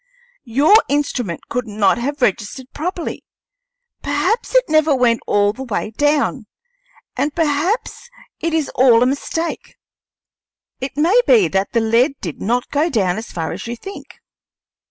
Your instrument could not have registered properly; perhaps it never went all the way down; and perhaps it is all a mistake. It may be that the lead did not go down so far as you think."